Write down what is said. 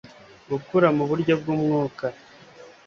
gukura mu buryo bw'umwuka